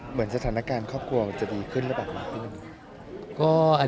เหมือนสถานการณ์ครอบครัวมันจะดีขึ้นหรือเปล่า